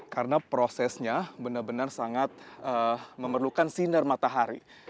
karena prosesnya benar benar sangat memerlukan sinar matahari